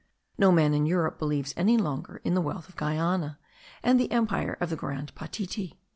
No man in Europe believes any longer in the wealth of Guiana and the empire of the Grand Patiti.